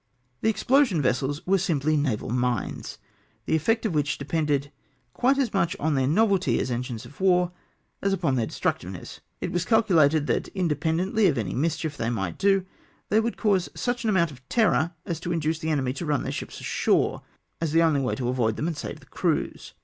The explosion vessels were simply naval mines, the effect of which depended quite as much on their novelty as engines of war, as upon theu* destructiveness. It was calculated that, independently of any mischief they might do, they would cause such an amount of terror, as to induce the enemy to run their ships ashore as the only way to avoid them and save the crews.